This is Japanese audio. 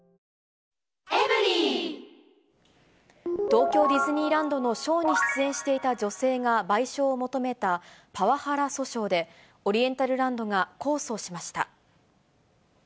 東京ディズニーランドのショーに出演していた女性が賠償を求めたパワハラ訴訟で、オリエンタルランドが控訴しました。